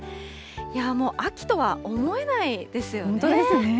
もう秋とは思えないですよね。